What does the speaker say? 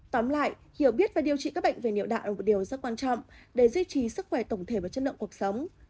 tóm lại hiểu biết và điều trị các bệnh về niệm đại là một điều rất quan trọng để duy trì sức khỏe tổng thể và chất lượng cuộc sống